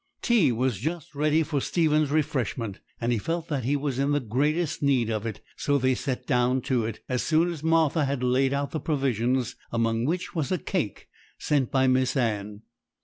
Tea was just ready for Stephen's refreshment, and he felt that he was in the greatest need of it; so they sat down to it as soon as Martha had laid out the provisions, among which was a cake sent by Miss Anne.